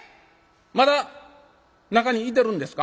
まだ中にいてるんですか？